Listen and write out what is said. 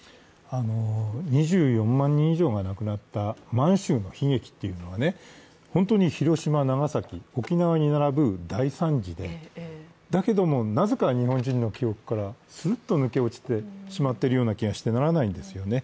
２４万人以上が亡くなった満州の悲劇というのは本当に広島・長崎・沖縄に並ぶ大惨事で、だけども、なぜか日本人の記憶からすっと抜け落ちてしまっているように感じてならないんですよね。